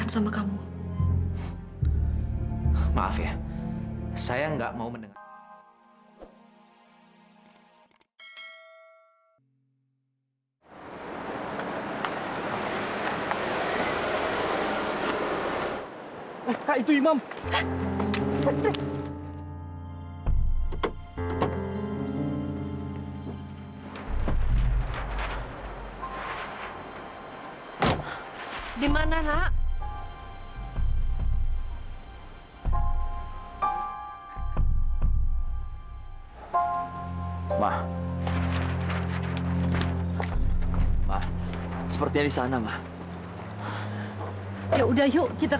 sampai jumpa di video selanjutnya